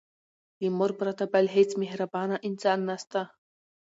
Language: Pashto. له مور پرته بل هيڅ مهربانه انسان نسته.